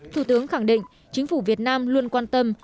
thủ tướng khẳng định chính phủ việt nam luôn quan tâm